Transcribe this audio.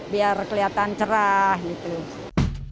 biar kelihatan cerah gitu